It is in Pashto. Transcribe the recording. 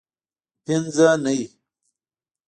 پینځنۍ